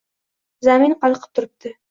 Zamin qalqib turibdi.